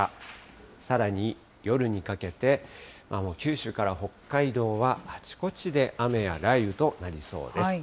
さらに夜にかけて、九州から北海道は、あちこちで雨や雷雨となりそうです。